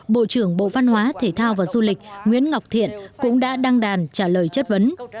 bộ trưởng bộ văn hóa thể thao và du lịch nguyễn ngọc thiện cũng đã đăng đàn trả lời chất vấn